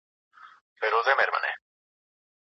هدایت ا لله